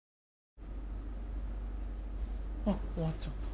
あっ終わっちゃった。